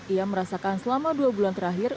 ia merasakan selama dua bulan terakhir